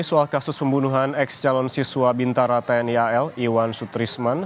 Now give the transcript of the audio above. soal kasus pembunuhan ex calon siswa bintara tni al iwan sutrisman